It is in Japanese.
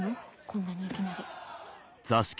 こんなにいきなり。